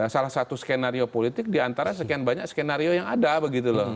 salah satu skenario politik diantara sekian banyak skenario yang ada begitu loh